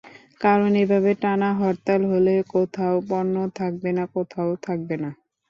কারণ এভাবে টানা হরতাল হলে কোথাও পণ্য থাকবে, কোথাও থাকবে না।